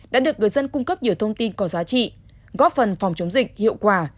đã được người dân cung cấp nhiều thông tin có giá trị góp phần phòng chống dịch hiệu quả